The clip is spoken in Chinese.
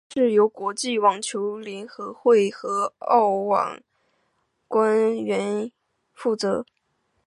赛事由国际网球联合会和澳网官方委员会联合负责。